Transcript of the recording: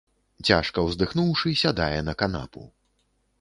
Цяжка ўздыхнуўшы, сядае на канапу.